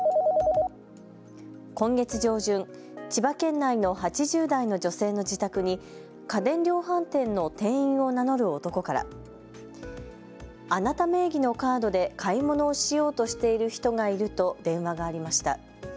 今月上旬、千葉県内の８０代の女性の自宅に家電量販店の店員を名乗る男からあなた名義のカードで買い物をしようとしている人がいると電話がありました。